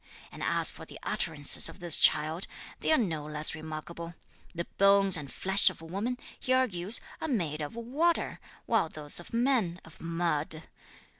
And as for the utterances of this child, they are no less remarkable. The bones and flesh of woman, he argues, are made of water, while those of man of mud.